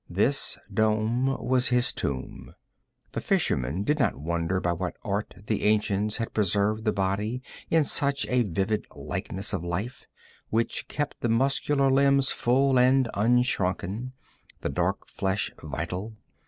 This dome was his tomb. The fisherman did not wonder by what art the ancients had preserved the body in such a vivid likeness of life, which kept the muscular limbs full and unshrunken, the dark flesh vital.